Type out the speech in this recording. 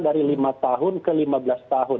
dari lima tahun ke lima belas tahun